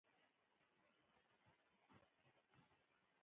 د دې ډول حالت د مخنیوي لپاره